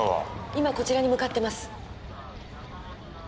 今こちらに向かってます。